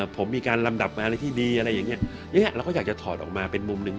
ผมมีการลำดับอะไรที่ดีอะไรอย่างนี้เราก็อยากจะถอดออกมาเป็นมุมหนึ่ง